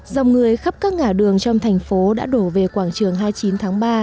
dòng người khắp các ngã đường trong thành phố đã đổ về quảng trường hai mươi chín tháng ba